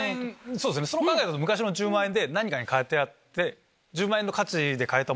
そうですねその考えだと昔の１０万円何かに換えてあって。